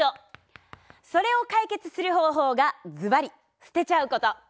それを解決する方法がズバリすてちゃうこと。